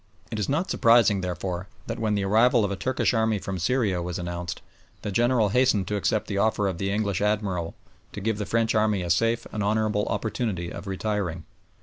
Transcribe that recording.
It is not surprising, therefore, that when the arrival of a Turkish army from Syria was announced, the General hastened to accept the offer of the English Admiral to give the French army a safe and honourable opportunity of retiring.